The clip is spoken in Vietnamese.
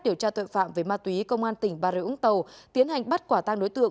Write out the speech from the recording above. điều tra tội phạm về ma túy công an tỉnh bà rịa úng tàu tiến hành bắt quả tăng đối tượng